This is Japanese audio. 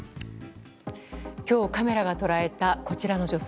今日カメラが捉えたこちらの女性。